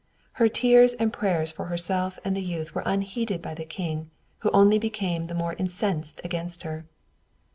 Her tears and prayers for herself and the youth were unheeded by the king, who only became the more incensed against her.